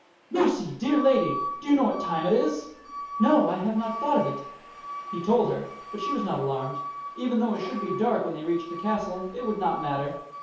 "Mercy! Dear lady! Do you know what time it is?" "No. I have not thought of it." He told her; but she was not alarmed. Even though it should be dark when they reached the castle, it would not matter.